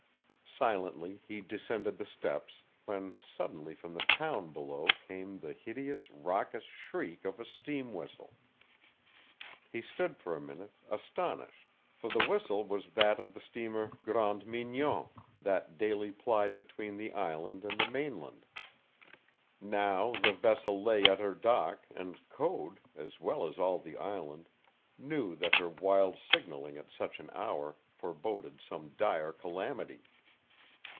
Silently he descended the steps, when suddenly from the town below came the hideous, raucous shriek of a steam whistle. He stood for a minute, astonished, for the whistle was that of the steamer Grande Mignon, that daily plied between the island and the mainland. Now the vessel lay at her dock and Code, as well as all the island, knew that her wild signaling at such an hour foreboded some dire calamity.